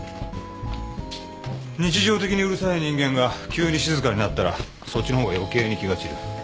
日常的にうるさい人間が急に静かになったらそっちのほうが余計に気が散る。